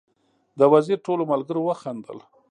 د وزیر ټولو ملګرو وخندل.